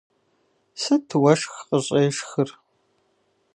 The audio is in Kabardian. Сыт уэшх къыщӀешхыр?